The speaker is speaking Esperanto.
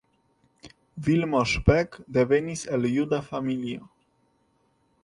Vilmos Beck devenis el juda familio.